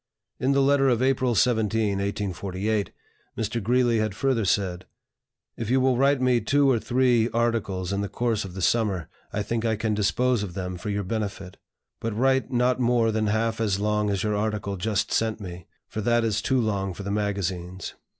In the letter of April 17, 1848, Mr. Greeley had further said: "If you will write me two or three articles in the course of the summer, I think I can dispose of them for your benefit. But write not more than half as long as your article just sent me, for that is too long for the magazines.